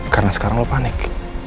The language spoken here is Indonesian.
karena sekarang lo panik